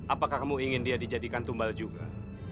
apakah kamu ingin dia dijadikan tumbal juga